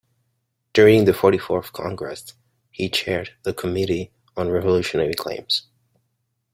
During the Forty-fourth Congress, he chaired the Committee on Revolutionary Claims.